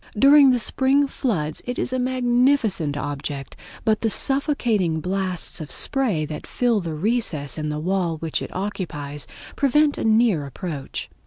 During the spring floods it is a magnificent object, but the suffocating blasts of spray that fill the recess in the wall which it occupies prevent a near approach.